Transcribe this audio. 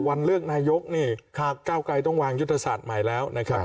วันเลือกนายกนี่เก้าไกรต้องวางยุทธศาสตร์ใหม่แล้วนะครับ